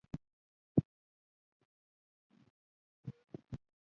د بدن د ګرمۍ لپاره د کاسني اوبه وڅښئ